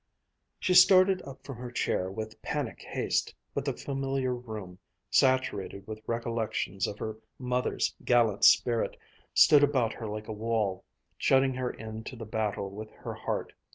She started up from her chair with panic haste, but the familiar room, saturated with recollections of her mother's gallant spirit, stood about her like a wall, shutting her in to the battle with her heart.